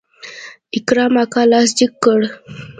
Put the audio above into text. اکرم اکا لاس جګ کړ.